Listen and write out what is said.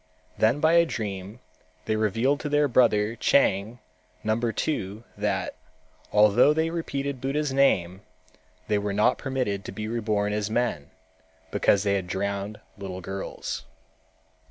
Then by a dream they revealed to their brother Chang number two that, although they repeated Buddha's name, they were not permitted to be reborn as men, because they had drowned little girls.